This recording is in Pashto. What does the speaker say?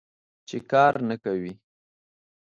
چې کار نه کوې.